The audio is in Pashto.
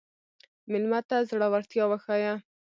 مېلمه ته زړورتیا وښیه.